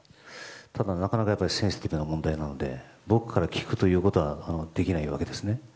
ただ、なかなかセンシティブな問題なので僕から聞くということはできないわけですね。